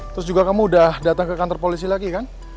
terus juga kamu udah datang ke kantor polisi lagi kan